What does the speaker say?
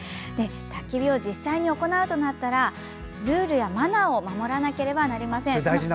たき火を実際に行うとなったらルールやマナーを守らなければなりません。